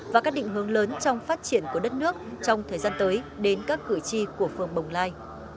và các định hướng lớn trong phát triển của đất nước trong thời gian tới đến các cử tri của phương bồng lai